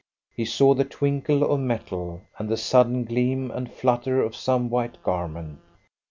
He saw the twinkle of metal, and the sudden gleam and flutter of some white garment.